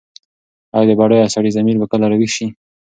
ایا د بډایه سړي ضمیر به کله راویښ شي؟